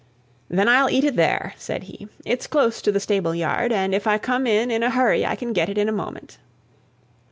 "Then I'll eat it there," said he. "It's close to the stable yard, and if I come in in a hurry I can get it in a moment."